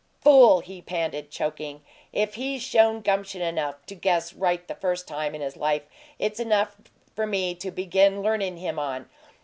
"Fool!" he panted, choking. "If he's shown gumption enough to guess right the first time in his life, it's enough for me to begin learnin' him on!"